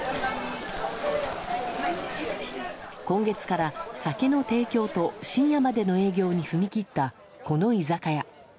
今月から酒の提供と深夜までの営業に踏み切った、この居酒屋。